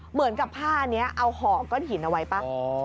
เหมือนกับผ้านี้เอาห่อก้อนหินเอาไว้ป่ะ